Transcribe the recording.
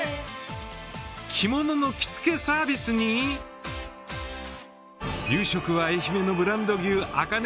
着物の着付けサービスに夕食は愛媛のブランド牛あかね